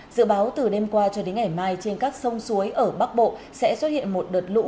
dự báo từ đêm qua cho đến ngày mai trên các sông suối ở bắc bộ sẽ xuất hiện một đợt lũ